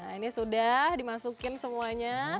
nah ini sudah dimasukin semuanya